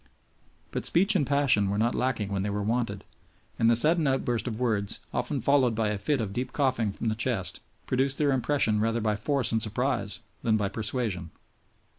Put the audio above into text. But speech and passion were not lacking when they were wanted, and the sudden outburst of words, often followed by a fit of deep coughing from the chest, produced their impression rather by force and surprise than by persuasion.